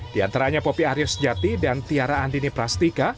di antaranya poppy arius jati dan tiara andini prastika